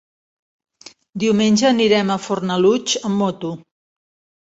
Diumenge anirem a Fornalutx amb moto.